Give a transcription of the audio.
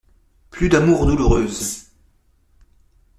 Plus d'amours douloureuses.